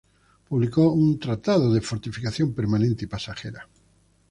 Publicó un "Tratado de fortificación permanente y pasajera".